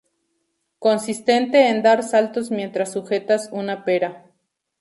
Consistente en dar saltos mientras sujetas una pera.